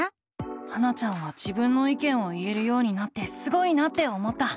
ハナちゃんは自分の意見を言えるようになってすごいなって思った。